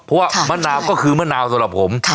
เพราะว่ามะนาวก็คือมะนาวสำหรับผม